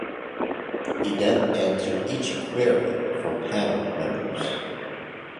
He then answered each query from panel members.